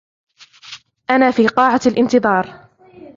أنا في قاعة الإنتظار.